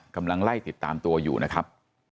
กำลังไล่ติดตามตัวอยู่นะครับ